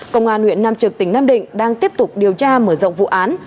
công an huyện nam trực tỉnh nam định đang tiếp tục điều tra mở rộng vụ án